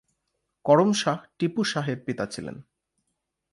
করম শাহ টিপু শাহ-এর পিতা ছিলেন।